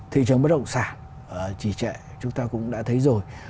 thị trường bất động sản trì trệ chúng ta cũng đã thấy rồi